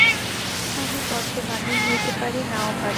আমি পথে বাহির হইতে পারি, নাও পারি।